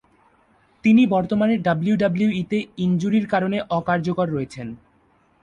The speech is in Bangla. তিনি বর্তমানে ডাব্লিউডাব্লিউইতে ইনজুরির কারণে অকার্যকর রয়েছেন।